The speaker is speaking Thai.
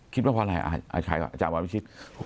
คิดว่าเพราะอะไรอะอาจารย์บามันพิชิต